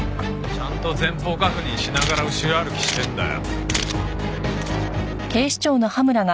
ちゃんと前方確認しながら後ろ歩きしてんだよ。